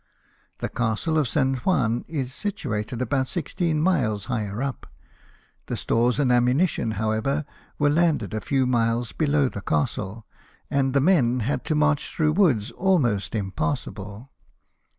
The Castle of St. Juan is situated about sixteen miles higher up ; the stores and ammunition, however, were landed a few miles below the castle, and the men had to march through woods almost impassable.